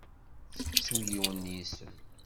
Tettu yiwen n yisem.